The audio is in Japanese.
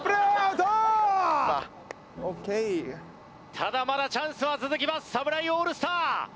ただまだチャンスは続きます侍オールスター。